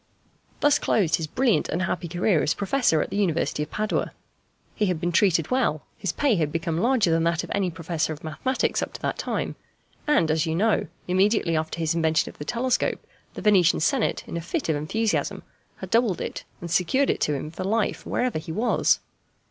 Thus closed his brilliant and happy career as a professor at the University of Padua. He had been treated well: his pay had become larger than that of any Professor of Mathematics up to that time; and, as you know, immediately after his invention of the telescope the Venetian Senate, in a fit of enthusiasm, had doubled it and secured it to him for life wherever he was.